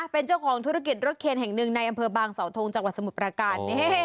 เป็นเจ้าของธุรกิจรถเคนแห่งหนึ่งในอำเภอบางสาวทงจังหวัดสมุทรประการ